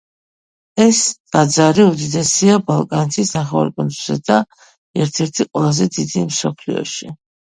ეს ტაძარი უდიდესია ბალკანეთის ნახევარკუნძულზე და ერთი-ერთი ყველაზე დიდი მსოფლიოში.